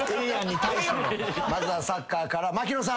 まずはサッカーから槙野さん